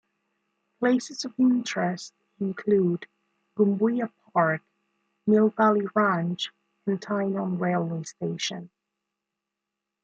Places of interest include Gumbuya Park, Mill Valley Ranch and Tynong railway station.